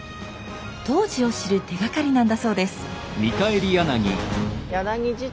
当時を知る手がかりなんだそうです。